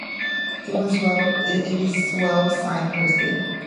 It is well signposted.